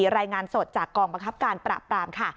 รายงานสดจากกองบังคับการปราบปรามค่ะ